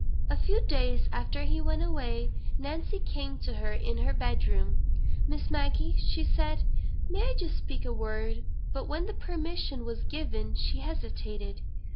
A few days after he went away, Nancy came to her in her bed room. "Miss Maggie," said she, "may I just speak a word?" But when the permission was given, she hesitated.